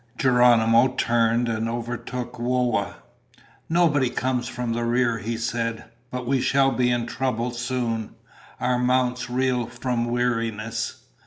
Geronimo turned and overtook Whoa. "Nobody comes from the rear," he said, "but we shall be in trouble soon. Our mounts reel from weariness."